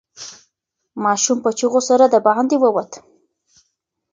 ماشوم په چیغو سره د باندې ووت.